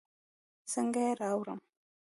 څنګه يې راوړم.